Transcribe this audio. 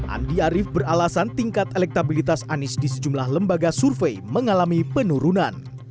andi arief beralasan tingkat elektabilitas anies di sejumlah lembaga survei mengalami penurunan